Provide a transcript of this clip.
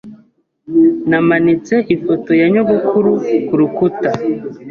Namanitse ifoto ya nyogokuru kurukuta.